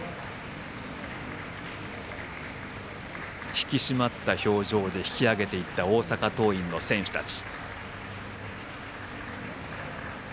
引き締まった表情で引き揚げていった大阪桐蔭の選手たち。